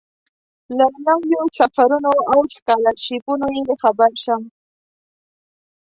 له نویو سفرونو او سکالرشیپونو یې خبر شم.